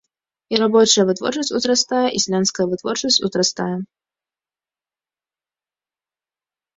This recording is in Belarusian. І рабочая вытворчасць узрастае, і сялянская вытворчасць узрастае.